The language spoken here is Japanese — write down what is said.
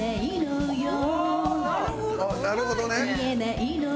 あっなるほどね！